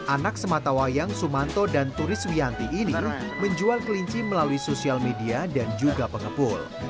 anak sematawayang sumanto dan turis wianti ini menjual kelinci melalui sosial media dan juga pengepul